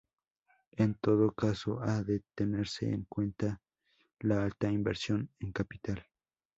En todo caso ha de tenerse en cuenta la alta inversión en capital.